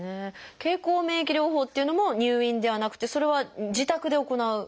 経口免疫療法っていうのも入院ではなくてそれは自宅で行うものなんですか？